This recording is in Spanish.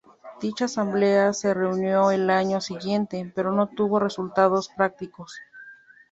Dicha asamblea se reunió al año siguiente, pero no tuvo resultados prácticos.